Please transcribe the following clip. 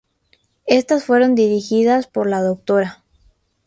Estas fueron dirigidas por la Dra.